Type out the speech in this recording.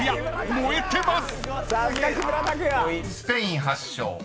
燃えてます！］